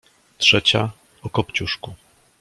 Trzecia — o „Kopciuszku”.